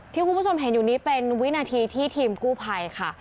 ที่คุณผู้ชมเห็นอยู่นี้เป็นวินาทีที่ทีมกู้ภัยค่ะ